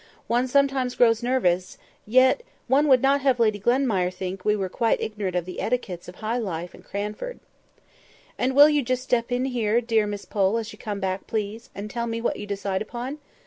One sometimes grows nervous; and yet one would not have Lady Glenmire think we were quite ignorant of the etiquettes of high life in Cranford." "And will you just step in here, dear Miss Pole, as you come back, please, and tell me what you decide upon?